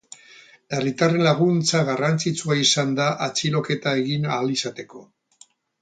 Herritarren laguntza garrantzitsua izan da, atxiloketa egin ahal izateko.